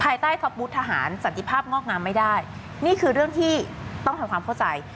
ใต้ท็อปบูธทหารสันติภาพงอกงามไม่ได้นี่คือเรื่องที่ต้องทำความเข้าใจ